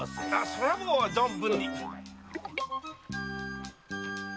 それはもう存分に。